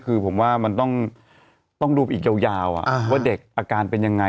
คือผมว่ามันต้องดูไปอีกยาวว่าเด็กอาการเป็นยังไง